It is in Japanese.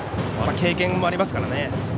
経験もありますからね。